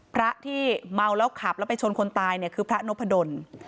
พระที่เมาแล้วขับแล้วไปชนคนตายเนี่ยคือพระนพดล